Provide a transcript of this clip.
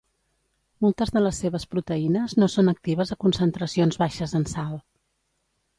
Moltes de les seves proteïnes no són actives a concentracions baixes en sal.